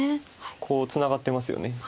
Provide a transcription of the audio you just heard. こうツナがってますよね。